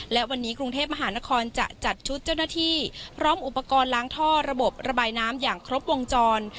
และวันนี้กรุงเทพมหานครจะจัดชุดเจ้าหน้าที่พร้อมอุปกรณ์ล้างท่อระบบระบายน้ำอย่างครบวงจร